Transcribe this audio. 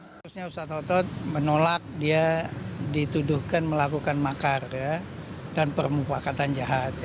seharusnya ustaz khawthod menolak dia dituduhkan melakukan makar dan permupakatan jahat